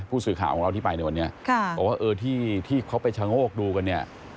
ผู้สื่อข่าวของเราที่ไปในวันนี้บอกว่าเออที่เขาไปชะโงกดูกันเนี่ย